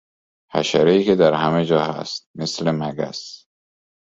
حشرهای که در همهجا هست، مثل مگس